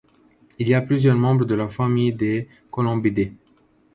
Il y a plusieurs membres de la famille des columbidés.